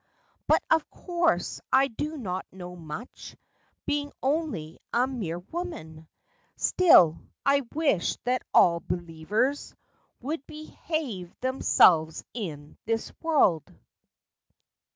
But, of course, I do not know much, Being only a 1 mere woman Still, I wish that all believers Would behave themselves in this world."